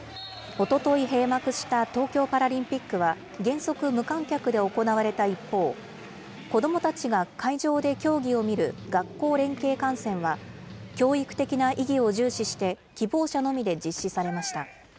おととい閉幕した東京パラリンピックは、原則、無観客で行われた一方、子どもたちが会場で競技を見る学校連携観戦は教育的な意義を重視して、希望者のみで実施されました。